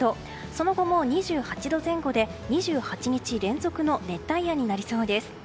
その後も２８度前後で２８日連続の熱帯夜になりそうです。